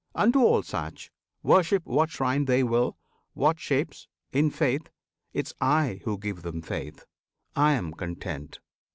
Unto all such Worship what shrine they will, what shapes, in faith 'Tis I who give them faith! I am content!